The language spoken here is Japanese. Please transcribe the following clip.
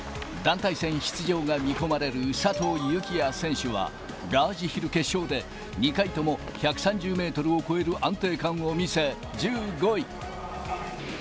団体戦出場が見込まれる佐藤幸椰選手は、ラージヒル決勝で２回とも１３０メートルを超える安定感を見せ、１５位。